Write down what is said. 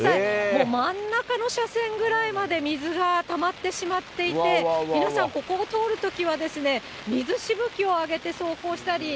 もう真ん中の車線ぐらいまで水がたまってしまっていて、皆さん、ここを通るときはですね、水しぶきを上げて走行したり、